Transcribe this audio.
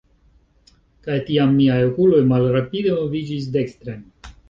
kaj tiam miaj okuloj malrapide moviĝis dekstren